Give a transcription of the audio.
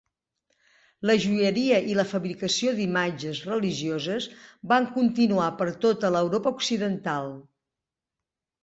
La joieria i la fabricació d'imatges religioses van continuar per tota l'Europa occidental.